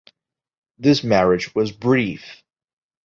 This marriage was brief.